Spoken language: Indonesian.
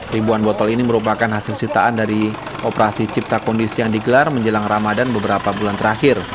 ribuan botol ini merupakan hasil sitaan dari operasi cipta kondisi yang digelar menjelang ramadan beberapa bulan terakhir